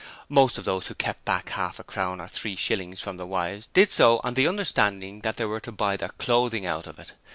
Most of those who kept back half a crown or three shillings from their wives did so on the understanding that they were to buy their clothing out of it.